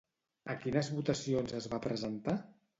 A quines votacions es va presentar?